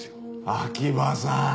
秋葉さん。